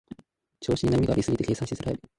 調子に波がありすぎて計算しづらい